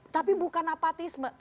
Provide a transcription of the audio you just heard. tapi bukan apatis